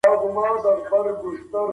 علمي اصطلاحات د سياست لوستنه ستونزمنه کوي.